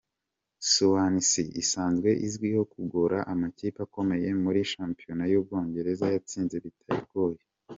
Suwanisi isanzwe izwiho kugora amakipe akomeye muri shampiyona y’Ubwongereza, yatsinze bitayigoye.